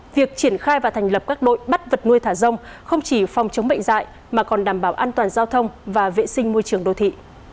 việc triển khai và thành lập các đội bắt vật nuôi thả rông không chỉ phòng chống bệnh dạy mà còn đảm bảo an toàn giao thông và vệ sinh môi trường đô thị